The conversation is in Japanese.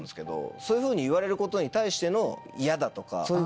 そういうふうに言われることに対して。